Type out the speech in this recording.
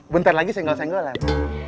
bentar lagi senggol senggolan